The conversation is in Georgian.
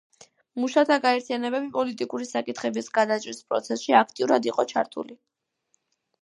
მუშათა გაერთიანებები პოლიტიკური საკითხების გადაჭრის პროცესში აქტიურად იყო ჩართული.